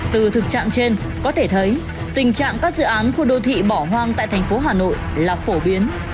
từ thực trạng trên có thể thấy tình trạng các dự án khu đô thị bỏ hoang tại thành phố hà nội là phổ biến